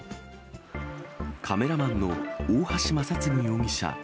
カメラマンの大橋正嗣容疑者